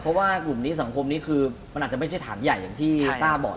เพราะว่ากลุ่มนี้สังคมนี้คือมันอาจจะไม่ใช่ฐานใหญ่อย่างที่ต้าบอก